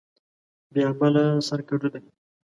بې عمله سر کډو دى.